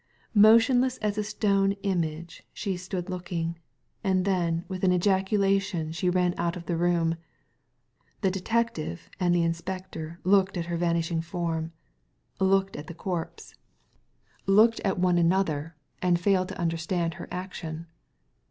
Motionless as a stone image she stood looking ; and then with an ejaculation she ran out of the room. The detective and the inspector looked at her vanishing form, looked at the corpse, looked Digitized by Google 14 THE LAD^FROM NOWHERE at one another^ and failed to understand her action.